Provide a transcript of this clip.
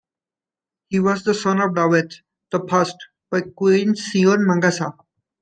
He was the son of Dawit the First by Queen Seyon Mangasha.